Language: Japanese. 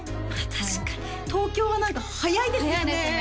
確かに東京は何か早いですよね早いですね